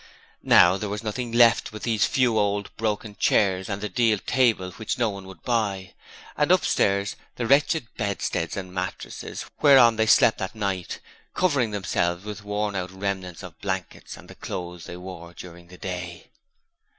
Now there was nothing left but these few old broken chairs and the deal table which no one would buy; and upstairs, the wretched bedsteads and mattresses whereon they slept at night, covering themselves with worn out remnants of blankets and the clothes they wore during the day.